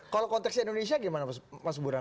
kalau konteks indonesia gimana mas burhan